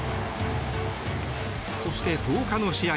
そして、１０日の試合。